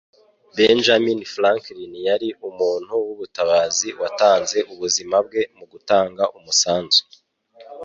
Benjamin Franklin yari umuntu w'ubutabazi watanze ubuzima bwe mu gutanga umusanzu